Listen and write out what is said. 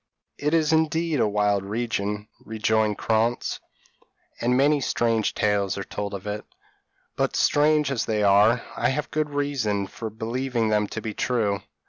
p> "It is indeed a wild region," rejoined Krantz, "and many strange tales are told of it; but strange as they are, I have good reason for believing them to be true.